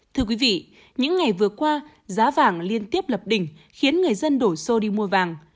thưa quý vị những ngày vừa qua giá vàng liên tiếp lập đỉnh khiến người dân đổ xô đi mua vàng